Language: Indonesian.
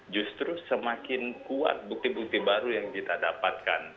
justru semakin kuat bukti bukti baru yang kita dapatkan